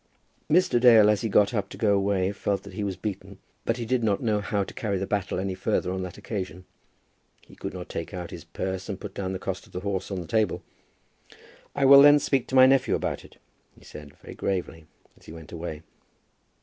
Mr. Dale as he got up to go away felt that he was beaten, but he did not know how to carry the battle any further on that occasion. He could not take out his purse and put down the cost of the horse on the table. "I will then speak to my nephew about it," he said, very gravely, as he went away.